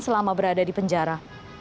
selama berada di penjara